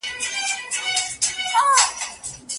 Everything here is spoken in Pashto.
نن به ښکلي ستا په نوم سي ګودرونه